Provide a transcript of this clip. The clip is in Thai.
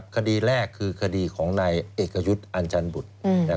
คดีแรกคือคดีของนายเอกยุทธ์อันจันบุตร